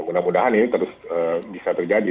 mudah mudahan ini terus bisa terjadi